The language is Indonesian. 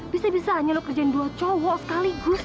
bisa bisa hanya lo kerjain dua cowok sekaligus